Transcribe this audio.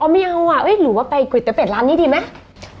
ไม่เอาอ่ะหรือว่าไปก๋วยเตี๋เป็ดร้านนี้ดีไหม